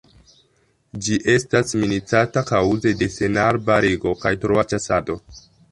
Ĝi estas minacata kaŭze de senarbarigo kaj troa ĉasado.